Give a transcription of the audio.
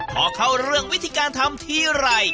พอเข้าเรื่องวิธีการทำทีไร